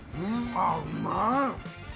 あぁうまい。